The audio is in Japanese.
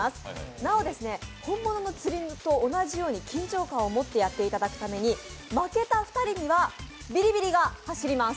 なお、本物の釣りと同じように緊張感を持ってやっていただくために負けた２人にはビリビリが走ります